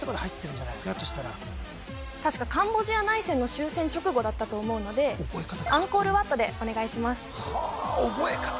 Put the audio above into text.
確かカンボジア内戦の終戦直後だったと思うのでアンコール・ワットでお願いします